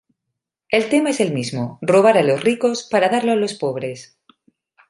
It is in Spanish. El tema es el mismo: robar a los ricos para darlo a los pobres.